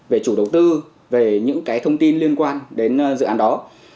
về chủ đầu tư về những cái thông tin liên quan đến dự án đó